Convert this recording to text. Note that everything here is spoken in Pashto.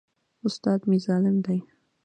استاد مي ظالم دی.